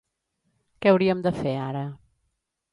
Què hauríem de fer ara?